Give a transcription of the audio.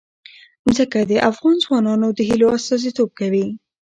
ځمکه د افغان ځوانانو د هیلو استازیتوب کوي.